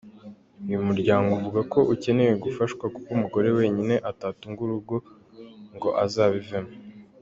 Uyu muryango uvuga ko ukeneye gufashwa kuko umugore wenyine atatunga urugo ngo azabivemo.